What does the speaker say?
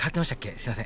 すいません